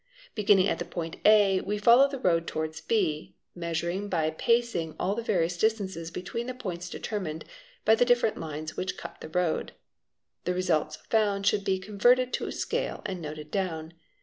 Beginning at the point a, we follow th road towards b, measuring by pacing all the various distances betwee the points determined by the different lines which cut. the road; th results found should be converted to scale and noted down.